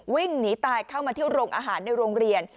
วิ่งหนีตายเข้ามาที่โรงอาหารในโรงเรียน